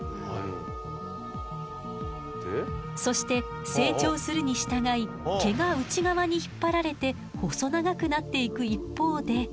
そして成長するに従い毛が内側に引っ張られて細長くなっていく一方で。